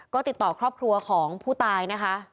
ก็ติดต่อครอบครัวของผู้ตายนะคะ